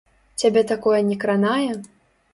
Цябе такое не кранае?